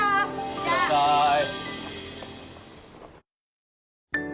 いってらっしゃい。